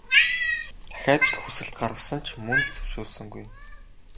Дахиад хүсэлт гаргасан ч мөн л зөвшөөрсөнгүй.